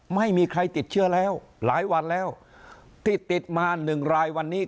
ไม่มีใครติดเชื้อแล้วหลายวันแล้วที่ติดมาหนึ่งรายวันนี้